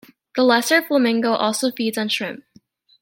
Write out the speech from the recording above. The lesser flamingo also feeds on shrimp.